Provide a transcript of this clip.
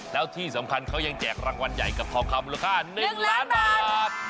แล้วที่สำคัญเขายังแจกรางวัลใหญ่กับทองคำมูลค่า๑ล้านบาท